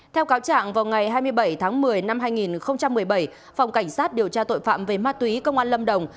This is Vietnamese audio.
theo cáo trạng vào ngày hai mươi bảy tháng một mươi năm hai nghìn một mươi bảy phòng cảnh sát điều tra tội phạm về ma túy công an lâm đồng